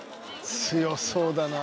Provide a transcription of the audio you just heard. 「強そうだな」